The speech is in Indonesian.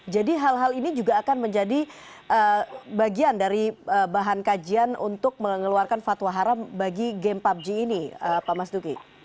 jadi hal hal ini juga akan menjadi bagian dari bahan kajian untuk mengeluarkan fatwa haram bagi game pubg ini pak mas duki